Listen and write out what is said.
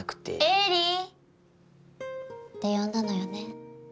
「エリー！」って呼んだのよね。